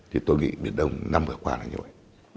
thì tôi nghĩ biển đông năm vừa qua là như vậy